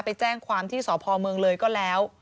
ไปแจ้งความที่สพเมืองเลยก็แล้ว